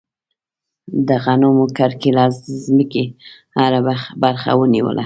د غنمو کرکیله د ځمکې هره برخه ونیوله.